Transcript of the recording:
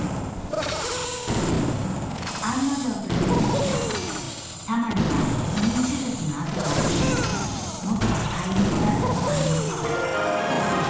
「案の定というべきかタマには避妊手術の痕があり元は飼い猫だったと判明した」。